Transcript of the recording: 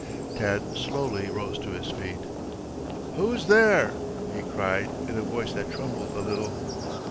Tad slowly rose to his feet. "Who's there?" he cried in a voice that trembled a little.